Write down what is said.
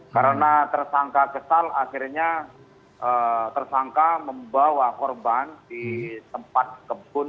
karena tersangka kesal akhirnya tersangka membawa korban di tempat kebun